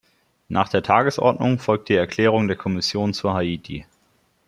Nach der Tagesordnung folgt die Erklärung der Kommission zu Haiti.